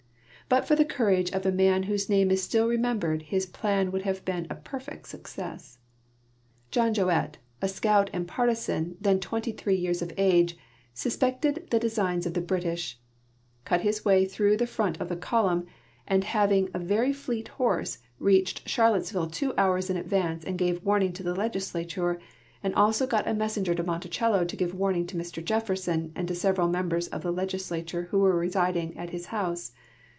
But for the courage of a man whose name is still remembered his plan would have been a perfect success. John Jouett, a scout and partisan, then 23 years of age, susjDected the designs of the British, cut his wa}^ througli the front of tlie column, and having a very fleet horse reached Charlottesville two hours in advance and gave warning to the legislature, and also got a messenger to Monticello to give warn ing to Mr .Jefferson and to several members of the legislature who were residing at his house.